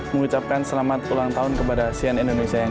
mengucapkan selamat ulang tahun kepada cnn indonesia